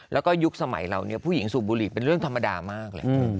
แล้วก็ยุคสมัยเราเนี่ยผู้หญิงสูบบุหรี่เป็นเรื่องธรรมดามากเลย